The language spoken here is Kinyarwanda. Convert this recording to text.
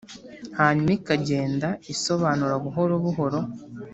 hanyuma ikagenda isobanura buhoro, buhoro